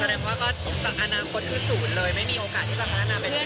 แสดงว่าก็จากอนาคตคือศูนย์เลยไม่มีโอกาสที่จะพัฒนาไปไหน